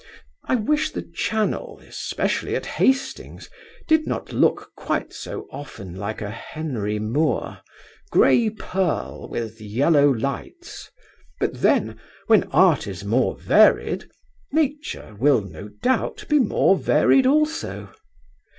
I wish the Channel, especially at Hastings, did not look quite so often like a Henry Moore, grey pearl with yellow lights, but then, when Art is more varied, Nature will, no doubt, be more varied also.